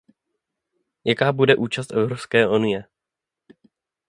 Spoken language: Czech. Jaká bude účast Evropské unie?